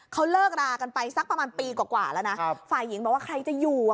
เขาเลิกรากันไปสักประมาณปีกว่ากว่าแล้วนะครับฝ่ายหญิงบอกว่าใครจะอยู่อ่ะ